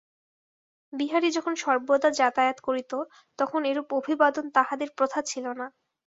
বিহারী যখন সর্বদা যাতায়াত করিত তখন এরূপ অভিবাদন তাহাদের প্রথা ছিল না।